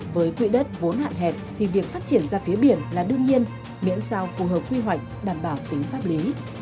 với quỹ đất vốn hạn hẹp thì việc phát triển ra phía biển là đương nhiên miễn sao phù hợp quy hoạch đảm bảo tính pháp lý